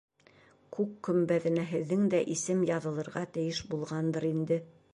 Күк көмбәҙенә һеҙҙең дә исем яҙылырға тейеш булғандыр инде.